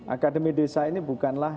akademi desa ini bukanlah